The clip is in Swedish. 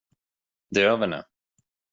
Det är över nu.